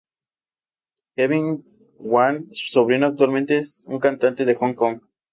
Kelvin Kwan, su sobrino, actualmente es un cantante de Hong Kong.